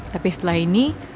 tapi setelah ini